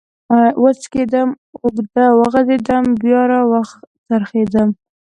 و څکېدم، اوږد وغځېدم، بیا را و څرخېدم.